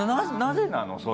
なぜなの？